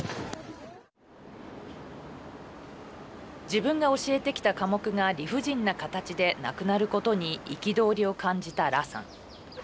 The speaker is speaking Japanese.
自分が教えてきた科目が理不尽な形でなくなることに憤りを感じた羅さん。